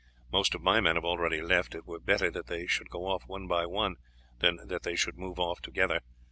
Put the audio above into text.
Most of my men have already left; it were better that they should go off one by one than that they should move off together.